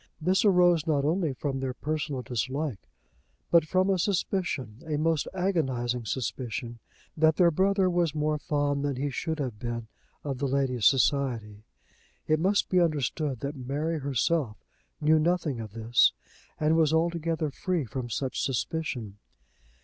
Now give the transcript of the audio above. This arose not only from their personal dislike, but from a suspicion, a most agonising suspicion, that their brother was more fond than he should have been of the lady's society. It must be understood that Mary herself knew nothing of this, and was altogether free from such suspicion.